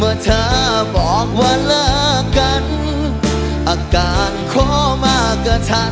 เอาเช็ควิเบิก